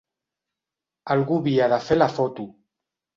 Algú havia de fer la foto.